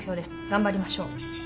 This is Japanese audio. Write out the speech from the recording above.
頑張りましょう。